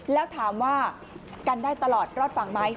แล้วถามว่ากันได้ตลอดรอดฝั่งไหม